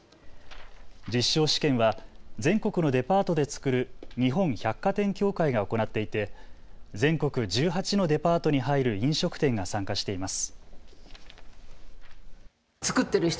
実証試験は全国のデパートで作る日本百貨店協会が行っていて全国１８のデパートに入る飲食店が参加しています。